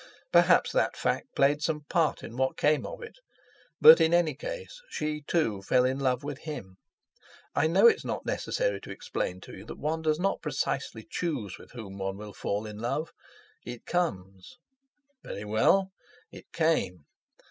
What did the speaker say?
Perhaps that fact played some part in what came of it. But in any case she, too, fell in love with him. I know it's not necessary to explain to you that one does not precisely choose with whom one will fall in love. It comes. Very well! It came.